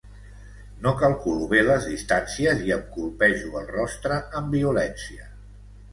No calculo bé les distàncies i em colpejo el rostre amb violència.